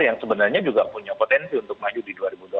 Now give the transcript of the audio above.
yang sebenarnya juga punya potensi untuk maju di dua ribu dua puluh